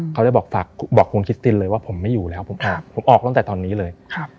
เขาเลยบอกฝากบอกคุณคิสตินเลยว่าผมไม่อยู่แล้วผมออกตั้งแต่ตอนนี้เลย